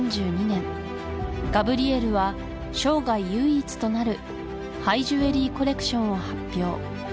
１９３２年ガブリエルは生涯唯一となるハイジュエリーコレクションを発表